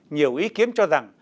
nhiều ý kiến cho rằng